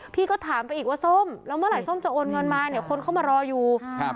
พี่ก็ถามไปอีกว่าส้มแล้วเมื่อไหส้มจะโอนเงินมาเนี่ยคนเข้ามารออยู่ครับ